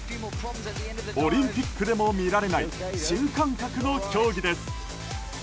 オリンピックでも見られない新感覚の競技です。